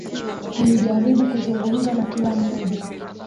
Tulijaribu kuzungumza na kila mmoja.